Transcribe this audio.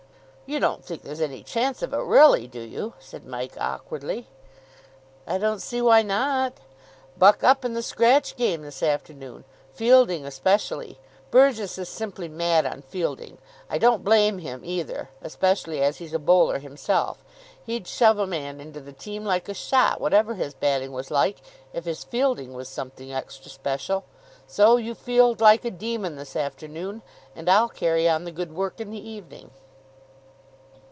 "You don't think there's any chance of it, really, do you?" said Mike awkwardly. "I don't see why not? Buck up in the scratch game this afternoon. Fielding especially. Burgess is simply mad on fielding. I don't blame him either, especially as he's a bowler himself. He'd shove a man into the team like a shot, whatever his batting was like, if his fielding was something extra special. So you field like a demon this afternoon, and I'll carry on the good work in the evening."